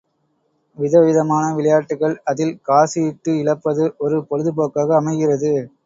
விதவிதமான விளையாட்டுக்கள் அதில் காசு இட்டு இழப்பது ஒரு பொழுதுபோக்காக அமைகிறது.